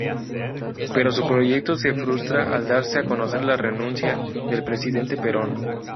Pero su proyecto se frustra al darse a conocer la renuncia del presidente Perón.